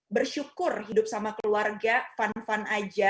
bersyukur hidup sama keluarga fun fun aja